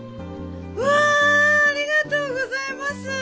わあありがとうございます！